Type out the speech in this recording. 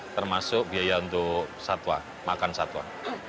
termasuk biaya untuk satwa makan satwa